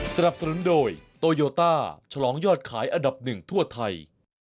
สนับสนุนโดยโตโยต้าฉลองยอดขายอันดับหนึ่งทั่วไทย